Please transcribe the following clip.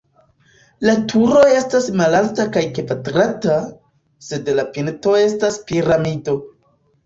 La turo estas malalta kaj kvadrata, sed la pinto estas piramido.